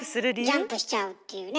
ジャンプしちゃうっていうね。